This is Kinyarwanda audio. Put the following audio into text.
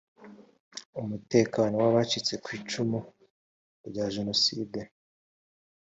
umutekano w abacitse kw icumu rya jenoside